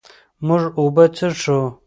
مونږ اوبه څښو.